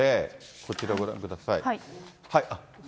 こちら、ご覧ください。